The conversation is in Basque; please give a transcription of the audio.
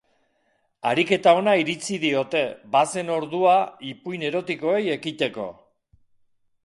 Ariketa ona iritzi diote, bazen ordua ipuin erotikoei ekiteko.